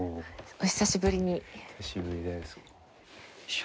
お久しぶりです。